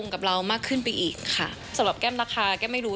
กับเรามากขึ้นไปอีกค่ะสำหรับแก้มราคาแก้มไม่รู้